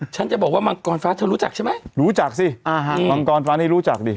ฉันจะบอกว่ามังกรฟ้าเธอรู้จักใช่ไหมรู้จักสิอ่าฮะมังกรฟ้านี่รู้จักดิ